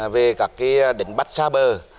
về các đỉnh bắt xa bờ